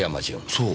そう！